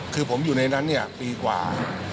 คือผมอยู่ในนั้นเนี่ยปีกว่า